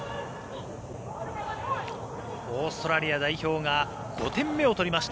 オーストラリア代表が５点目を取りました